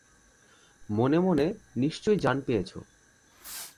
মনে মনে নিশ্চয় জান পেয়েছ।